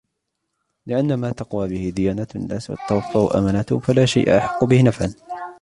لِأَنَّ مَا تَقْوَى بِهِ دِيَانَاتُ النَّاسِ وَتَتَوَفَّرُ أَمَانَاتُهُمْ فَلَا شَيْءَ أَحَقُّ بِهِ نَفْعًا